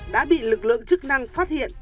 đã bị lực lượng chức năng phát hiện